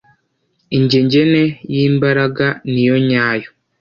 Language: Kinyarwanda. ingegene y’ imbaraga niyo nyayo.